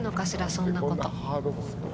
そんなこと。